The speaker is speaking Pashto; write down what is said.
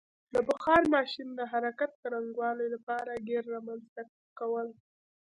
د بخار ماشین د حرکت څرنګوالي لپاره ګېر رامنځته کول.